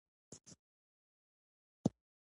د پوزې د مینځلو لپاره باید څه شی وکاروم؟